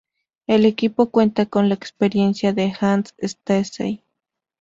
El equipo cuenta con la experiencia de Hans Stacey.